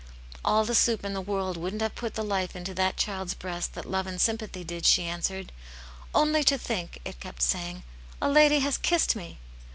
" All the soup in the world wouldn't have put the life into that child's breast that love and sympathy did," she answered. " Only to think !" it kept saying, "a lady has kissed me